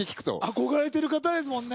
憧れてる方ですもんね